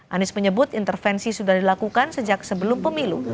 anies menyebut intervensi sudah dilakukan sejak sebelum pemilu